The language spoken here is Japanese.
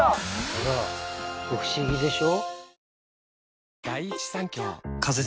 ほら不思議でしょ？